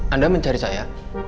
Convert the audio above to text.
anda mencari saya